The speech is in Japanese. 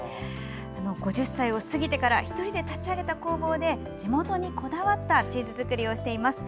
５０歳を過ぎてから１人で立ち上げた工房で地元にこだわったチーズ作りをしています。